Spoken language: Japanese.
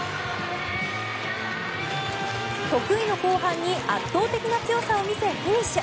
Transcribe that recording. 得意の後半に圧倒的な強さを見せフィニッシュ。